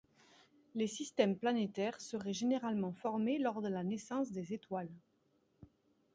Les systèmes planétaires seraient généralement formés lors de la naissance des étoiles.